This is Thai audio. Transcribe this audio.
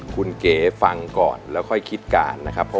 คุณเก๋ฟังก่อนแล้วค่อยคิดการนะครับ